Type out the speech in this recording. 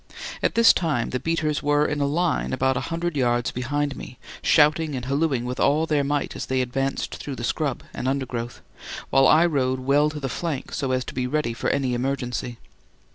At this time the beaters were in line about a hundred yards behind me, shouting and halloing with all their might as they advanced through the scrub and undergrowth, while I rode well to the flank so as to be ready for any emergency.